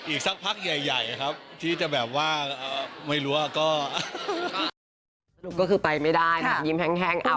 อีกสักพักใหญ่ครับที่จะแบบว่าไม่รู้อะก็